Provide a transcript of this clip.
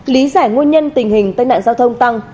lý giải nguồn nhân tình hình tàn nạn giao thông tăng